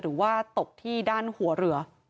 หรือว่าตกที่ด้านหัวเรือ